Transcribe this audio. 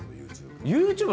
ＹｏｕＴｕｂｅ。